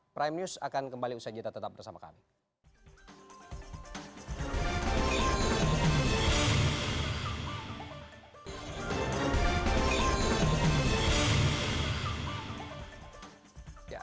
prime news akan kembali usai kita tetap bersama kami